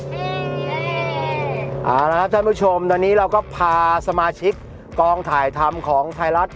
เอาละครับท่านผู้ชมตอนนี้เราก็พาสมาชิกกองถ่ายทำของไทยรัฐ